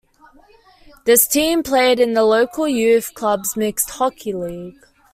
This team played in the local Youth Clubs Mixed Hockey League.